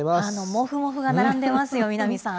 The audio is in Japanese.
もふもふが並んでますよ、南さん。